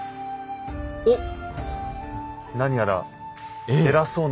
おっ何やら偉そうな人に。